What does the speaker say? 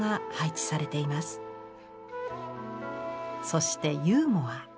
そしてユーモア。